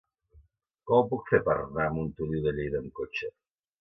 Com ho puc fer per anar a Montoliu de Lleida amb cotxe?